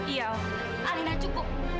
iya alena cukup